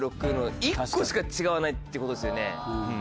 ２６の１個しか違わないってことですよね。